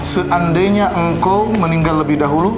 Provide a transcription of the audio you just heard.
seandainya engkau meninggal lebih dahulu